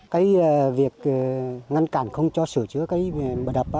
cái việc ngăn cản không cho sửa chữa cái bờ đập